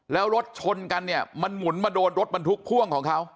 แล้วรถชนกันเนี่ยมันหมุนมาโดนรถบรรทุกพ่วงของเขา